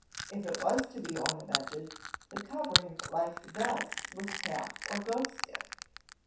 If it was to be ornamented, the covering liked best was calf or goatskin.